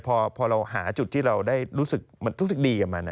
พอเราหาจุดที่เราได้รู้สึกดีกับมัน